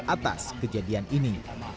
atas kejadian ini